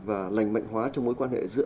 và lành mạnh hóa trong mối quan hệ giữa